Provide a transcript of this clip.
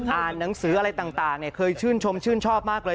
อ่านหนังสืออะไรต่างเคยชื่นชมชื่นชอบมากเลย